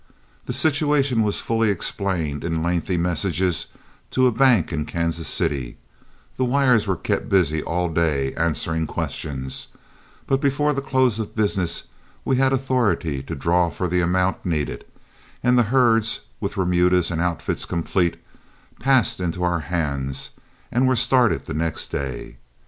The situation was fully explained in a lengthy message to a bank in Kansas City, the wires were kept busy all day answering questions; but before the close of business we had authority to draw for the amount needed, and the herds, with remudas and outfits complete, passed into our hands and were started the next day.